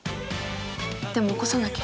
でも起こさなきゃ。